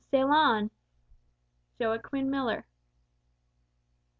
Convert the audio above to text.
sail on!" JOAQUIN MILLER.